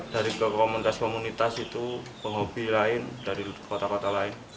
dari komunitas komunitas itu penghobi lain dari kota kota lain